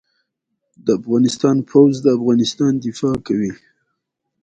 ازادي راډیو د ټولنیز بدلون په اړه د امنیتي اندېښنو یادونه کړې.